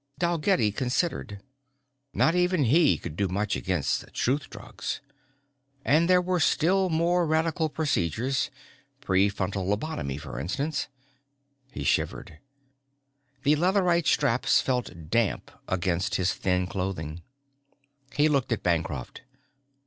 Dalgetty considered. Not even he could do much against truth drugs. And there were still more radical procedures, prefrontal lobotomy for instance. He shivered. The leatherite straps felt damp against his thin clothing. He looked at Bancroft.